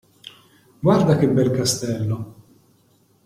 Guarda che bel castello!